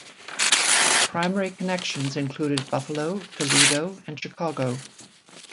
Its primary connections included Buffalo; Toledo; and Chicago.